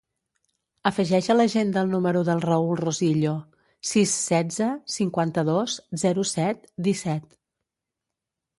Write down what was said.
Afegeix a l'agenda el número del Raül Rosillo: sis, setze, cinquanta-dos, zero, set, disset.